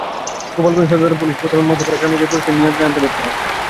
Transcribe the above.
গোপালগঞ্জ সদর থানার পুলিশ প্রথমে মধ্যপাড়া গ্রামে গিয়ে পরিস্থিতি নিয়ন্ত্রণে আনতে ব্যর্থ হয়।